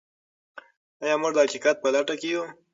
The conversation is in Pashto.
آیا موږ د حقیقت په لټه کې یو؟